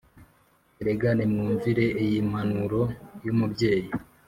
Erega nimwumvire iyi mpanuro yumubyeyi